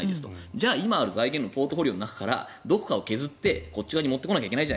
じゃあ今、ある財源のポートフォリオから削ってこっちに持ってこないといけない。